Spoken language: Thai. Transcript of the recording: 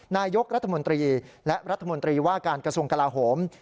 นายกรัฐมนตรีและรัฐมนตรีว่าการกระทรวงกลาโหม